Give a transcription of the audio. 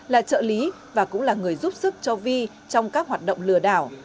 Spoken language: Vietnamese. là trợ lý và cũng là người giúp sức cho vi trong các hoạt động lừa đảo